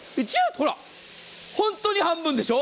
ほら、ホントに半分でしょ？